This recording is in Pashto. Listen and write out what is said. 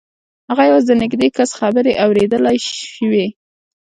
هغه یوازې د نږدې کس خبرې اورېدلای شوې